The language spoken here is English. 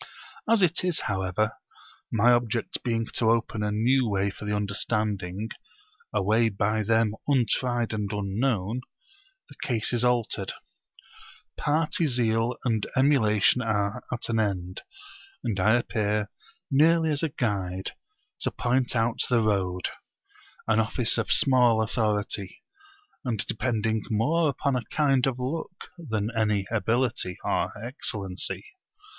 As it is however, my object being to open a new way for the understanding, a way by them untried and unknown, the case is altered; party zeal and emulation are at an end; and I appear merely as a guide to point out the road; an office of small authority, and depending more upon a kind of luck than upon any ability or excellency.